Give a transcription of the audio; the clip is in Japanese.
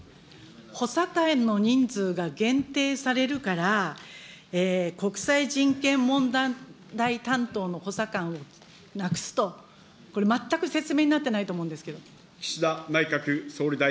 補佐官の人数が限定されるから国際人権問題担当の補佐官をなくすと、これ、全く説明になってないと思うんですけど。